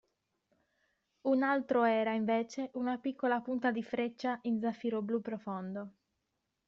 Un altro era, invece, una piccola punta di freccia in zaffiro blu profondo.